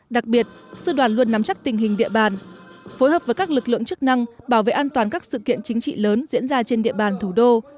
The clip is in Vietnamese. đặc biệt sư đoàn luôn nắm chắc tình hình địa bàn phối hợp với các lực lượng chức năng bảo vệ an toàn các sự kiện chính trị lớn diễn ra trên địa bàn thủ đô